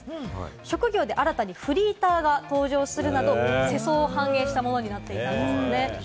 職業で新たにフリーターが登場するなど、世相を反映したものになっています。